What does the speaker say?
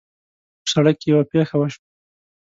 په سړک کې یوه پېښه وشوه